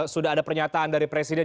sudah ada pernyataan dari presiden